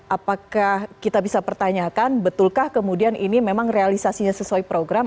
apakah kita bisa pertanyakan betulkah kemudian ini memang realisasinya sesuai program